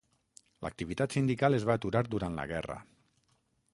L'activitat sindical es va aturar durant la guerra.